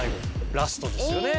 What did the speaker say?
ラストですよね。